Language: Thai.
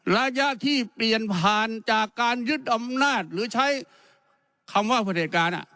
ระยะที่เปลี่ยนผ่านจากการยึดอำนาจหรือใช้คำว่าประเด็จการ